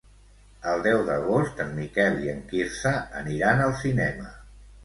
El deu d'agost en Miquel i en Quirze aniran al cinema.